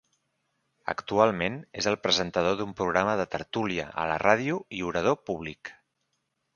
Actualment és el presentador d'un programa de tertúlia a la ràdio i orador públic.